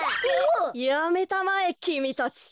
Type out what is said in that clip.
やめたまえきみたち。